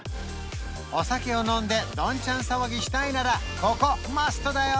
お酒を飲んでどんちゃん騒ぎしたいならここマストだよ！